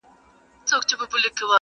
خپل اوبه وجود راټولومه نور ,